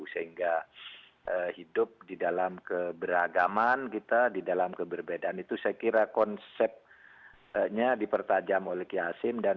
sehingga hidup di dalam keberagaman kita di dalam keberbedaan itu saya kira konsepnya dipertajam oleh ki hasim